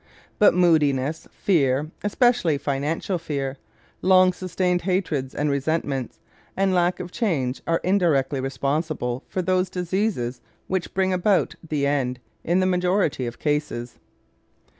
But moodiness, fear especially financial fear long sustained hatreds and resentments, and lack of change are indirectly responsible for those diseases which bring about the end, in the majority of cases.